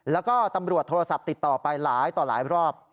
แล้วก็ตำรวจโทรศัพท์ติดต่อไปหลายต่อหลายรอบ